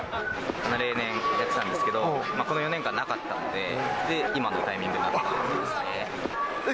例年、やってたんですけど、この４年間なかったので、今のタイミングになったんですね。